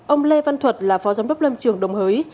ông lê văn thuật là phó giám đốc lâm trường đồng hới